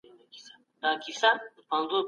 معیارونه د کار کیفیت ساتي.